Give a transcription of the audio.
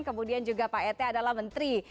kemudian juga pak ete adalah menteri